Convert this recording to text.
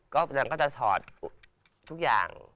ก็พระดำก็จะถอดทุกอย่าง